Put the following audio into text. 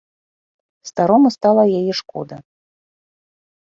Старому стала яе шкода.